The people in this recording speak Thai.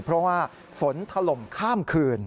เพราะว่าฝนถล่มข้ามคืน